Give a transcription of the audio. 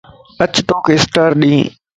اچ توک اسٽار ڏين